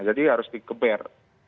jadi harus dikeber